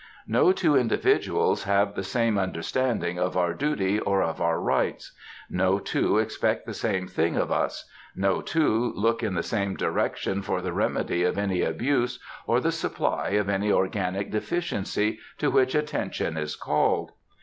No two individuals have the same understanding of our duty or of our rights; no two expect the same thing of us; no two look in the same direction for the remedy of any abuse, or the supply of any organic deficiency to which attention is called.